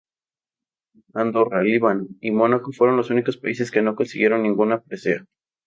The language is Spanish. Andorra, Líbano y Mónaco fueron los únicos países que no consiguieron ninguna presea.